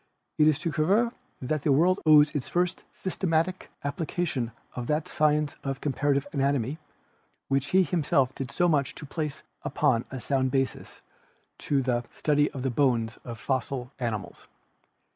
It is to Cuvier that the world owes the first systematic application of that science of comparative anatomy, which he himself did so much to place upon a sound basis, to the 68 GEOLOGY study of the bones of fossil animals.